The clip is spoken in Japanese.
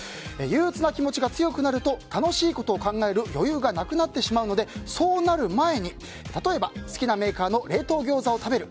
憂鬱な気持ちが強くなると楽しいことを考える余裕がなくなるのでそうなる前に例えば、好きなメーカーの冷凍餃子を食べる。